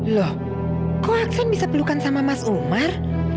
loh kok aksan bisa pelukan sama mas umar